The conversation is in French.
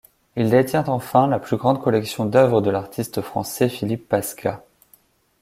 Il détient enfin la plus grande collection d'oeuvre de l'artiste français Philippe Pasqua.